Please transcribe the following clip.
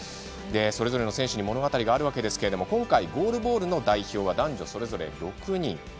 それぞれの選手に物語があるわけですが今回、ゴールボールの代表は男女それぞれ６人。